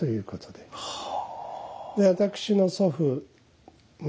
で私の祖父ま